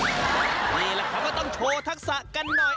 นี่แหละครับก็ต้องโชว์ทักษะกันหน่อย